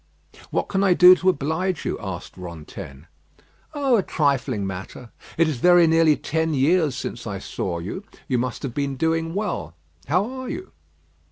"What can I do to oblige you?" asked Rantaine. "Oh, a trifling matter! It is very nearly ten years since I saw you. You must have been doing well. How are you?"